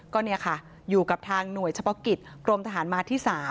ก็เนี่ยค่ะอยู่กับทางหน่วยเฉพาะกิจกรมทหารมาที่๓